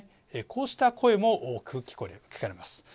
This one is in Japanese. こうした声も多く聞かれます。